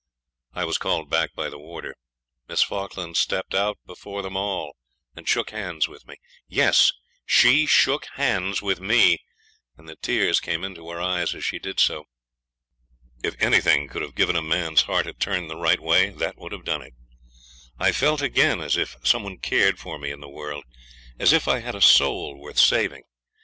I was called back by the warder. Miss Falkland stepped out before them all, and shook hands with me. Yes, SHE SHOOK HANDS WITH ME, and the tears came into her eyes as she did so. If anything could have given a man's heart a turn the right way that would have done it. I felt again as if some one cared for me in the world, as if I had a soul worth saving.